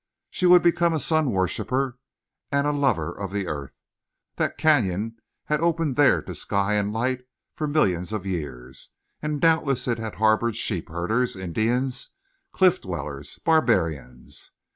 She would become a sun worshiper and a lover of the earth. That canyon had opened there to sky and light for millions of years; and doubtless it had harbored sheep herders, Indians, cliff dwellers, barbarians.